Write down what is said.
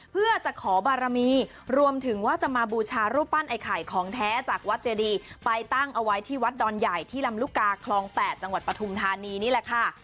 เพื่อจะขอบารมีรวมถึงว่าจะมาบูชารูปปั้นไอ้ไข่ของแท้จากวัดเจดีไปตั้งเอาไว้ที่วัดดอนใหญ่ที่ลำลูกกาคลอง๘จังหวัดปฐุมธานีนี่แหละค่ะ